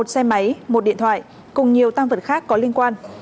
một xe máy một điện thoại cùng nhiều tăng vật khác có liên quan